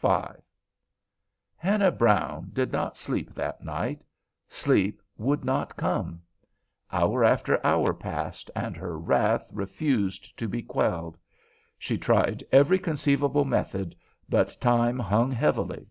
V Hannah Brown did not sleep that night. Sleep would not come. Hour after hour passed, and her wrath refused to be quelled. She tried every conceivable method, but time hung heavily.